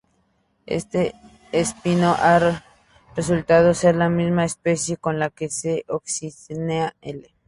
Este espino ha resultado ser la misma especie que la "C. coccinea" L..